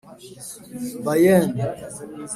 Bayern